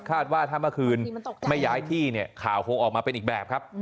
ว่าถ้าเมื่อคืนไม่ย้ายที่เนี่ยข่าวคงออกมาเป็นอีกแบบครับ